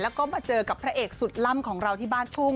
แล้วก็มาเจอกับพระเอกสุดล่ำของเราที่บ้านช่วง